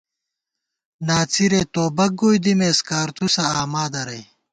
ناڅِرے توبَک گوئی دِمېس، کارتُوسہ آما دَرَئی